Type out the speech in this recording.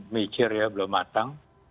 major ya belum matang